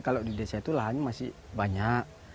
kalau di desa itu lahannya masih banyak